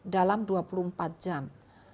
dalam dua puluh empat jam